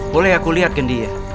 boleh aku lihat gendinya